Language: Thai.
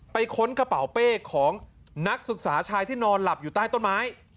ค้นกระเป๋าเป้ของนักศึกษาชายที่นอนหลับอยู่ใต้ต้นไม้